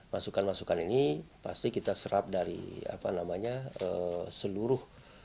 masukan masukan ini pasti kita serap dari seluruh